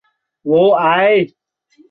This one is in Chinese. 边地兔儿风为菊科兔儿风属的植物。